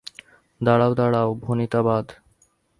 দাঁড়াও, দাঁড়াও, ভণিতা বাদ।